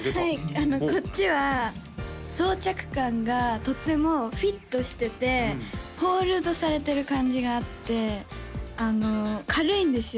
あのこっちは装着感がとってもフィットしててホールドされてる感じがあって軽いんですよ